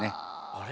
あれ？